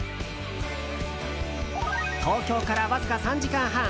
東京からわずか３時間半。